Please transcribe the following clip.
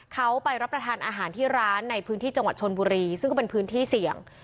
เขาไปรับประทานอาหารที่ร้านในพื้นที่จังหวัดชนบุรีซึ่งก็เป็นพื้นที่เสี่ยง